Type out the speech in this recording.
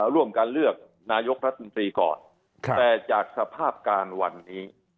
ร่วมกันเลือกนายกรัฐมนตรีก่อนแต่จากสภาพการณ์วันนี้